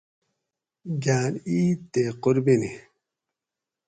گاۤن عید تے قُربینی